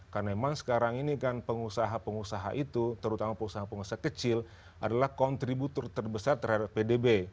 karena memang sekarang ini kan pengusaha pengusaha itu terutama pengusaha pengusaha kecil adalah kontributor terbesar terhadap pdb